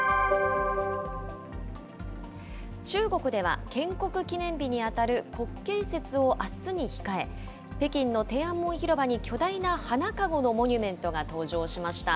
中国では建国記念日に当たる国慶節をあすに控え、北京の天安門広場に巨大な花籠のモニュメントが登場しました。